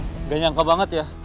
enggak nyangka banget ya